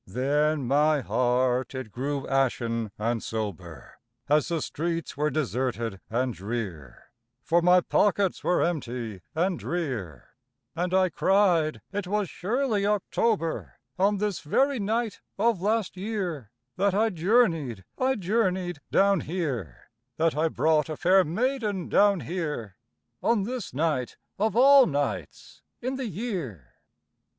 Then my heart it grew ashen and sober, As the streets were deserted and drear, For my pockets were empty and drear; And I cried: "It was surely October, On this very night of last year, That I journeyed, I journeyed down here, That I brought a fair maiden down here, On this night of all nights in the year!